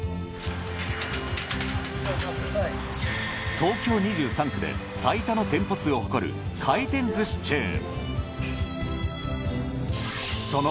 東京２３区で最多の店舗数を誇る回転寿司チェーン。